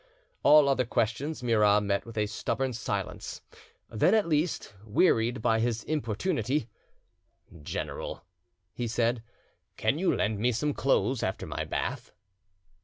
All other questions Murat met with a stubborn silence; then at least, wearied by his importunity— "General," he said, "can you lend me some clothes after my bath?"